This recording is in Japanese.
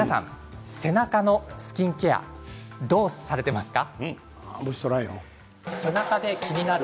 背中のスキンケアどうされてますか？